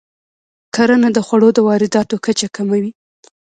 کرنه د خوړو د وارداتو کچه کموي.